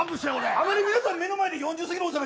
あんまり皆さん目の前で４０過ぎのおじさん